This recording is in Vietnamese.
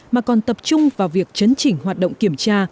mà còn tập trung vào việc chấn chỉnh hoạt động kiểm tra